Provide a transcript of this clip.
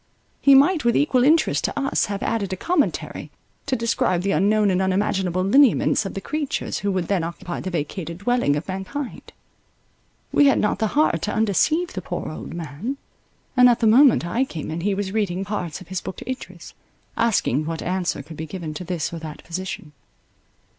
He might with equal interest to us, have added a commentary, to describe the unknown and unimaginable lineaments of the creatures, who would then occupy the vacated dwelling of mankind. We had not the heart to undeceive the poor old man; and at the moment I came in, he was reading parts of his book to Idris, asking what answer could be given to this or that position.